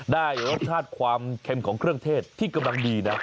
ได้รสชาติความเค็มของเครื่องเทศที่กำลังดีนะ